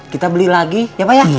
kita beli lagi ya pak ya